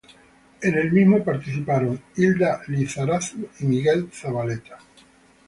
En el mismo participaron Hilda Lizarazu y Miguel Zavaleta.